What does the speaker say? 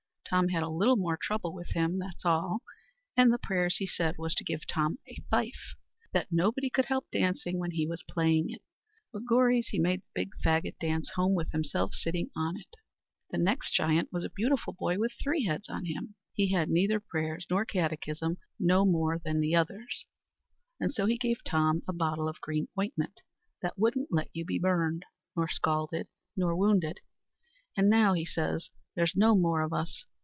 Tom had a little more trouble with him that's all; and the prayers he said, was to give Tom a fife, that nobody could help dancing when he was playing it. Begorries, he made the big faggot dance home, with himself sitting on it. The next giant was a beautiful boy with three heads on him. He had neither prayers nor catechism no more nor the others; and so he gave Tom a bottle of green ointment, that wouldn't let you be burned, nor scalded, nor wounded. "And now," says he, "there's no more of us.